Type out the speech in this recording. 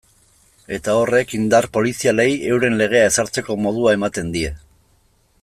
Eta horrek indar polizialei euren legea ezartzeko modua ematen die.